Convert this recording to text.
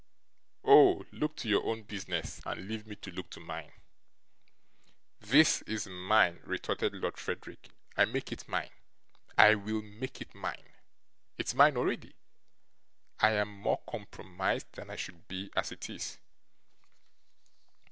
Oh! look to your own business, and leave me to look to mine.' 'This IS mine,' retorted Lord Frederick. 'I make it mine; I will make it mine. It's mine already. I am more compromised than I should be, as it is.